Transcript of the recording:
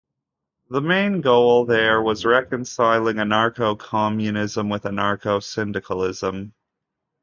The main goal there was reconciling anarcho-communism with anarcho-syndicalism.